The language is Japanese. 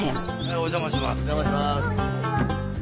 お邪魔します。